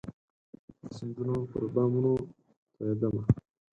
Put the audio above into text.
د سیندونو پر بامونو توئيدمه